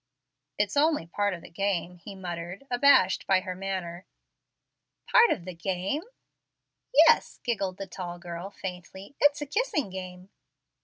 "It's only part of the game," muttered he, abashed by her manner. "Part of the game?" "Yes," giggled the tall girl, faintly; "it's a kissing game."